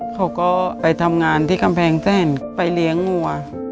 เขาก็ไปทำงานที่กำแพงแสนไปเลี้ยงวัว